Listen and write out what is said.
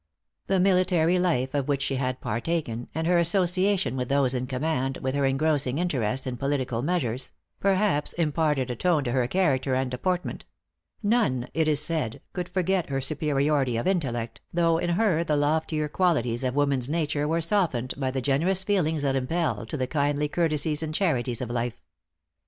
The military life of which she had partaken, and her association with those in command, with her engrossing interest in political measures, perhaps imparted a tone to her character and deportment; none, it is said, could forget her superiority of intellect, though in her the loftier qualities of woman's nature were softened by the generous feelings that impel to the kindly courtesies and charities of life.